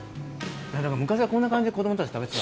昔はこんな感じで子供たち食べてた。